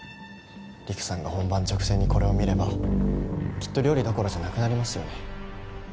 りくさんが本番直前にこれを見ればきっと料理どころじゃなくなりますよね。